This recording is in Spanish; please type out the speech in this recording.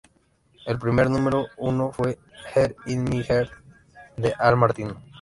El primer número uno fue "Here in my Heart" de Al Martino.